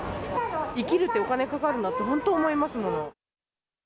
生きるってお金かかるなって、本当思いますもの。